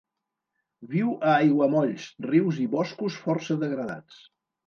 Viu a aiguamolls, rius i boscos força degradats.